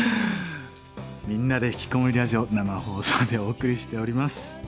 「みんなでひきこもりラジオ」生放送でお送りしております。